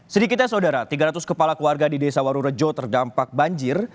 sedikitnya tiga ratus kepala keluarga di desa waru rejo terdampak banjir